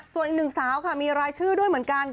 ส่วนอีกหนึ่งสาวค่ะมีรายชื่อด้วยเหมือนกัน